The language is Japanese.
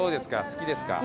好きですか？